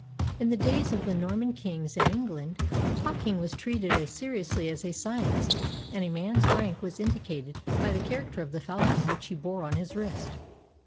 In the days of the Norman kings in England, hawking was treated as seriously as a science, and a man's rank was indicated by the character of the falcon which he bore on his wrist.